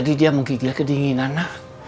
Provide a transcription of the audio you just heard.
tadi dia mungkin gila kedinginan nak